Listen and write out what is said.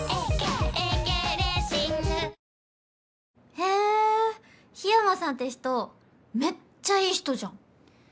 へえ緋山さんって人めっちゃいい人じゃん。